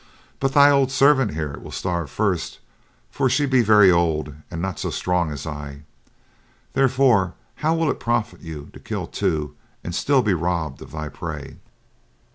"But thy old servant here will starve first, for she be very old and not so strong as I. Therefore, how will it profit you to kill two and still be robbed of thy prey?"